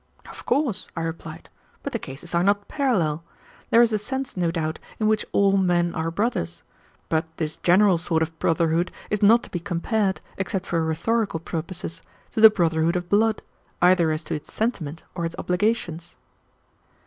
"Of course," I replied; "but the cases are not parallel. There is a sense, no doubt, in which all men are brothers; but this general sort of brotherhood is not to be compared, except for rhetorical purposes, to the brotherhood of blood, either as to its sentiment or its obligations."